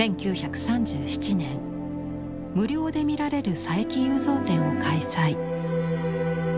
１９３７年無料で見られる佐伯祐三展を開催。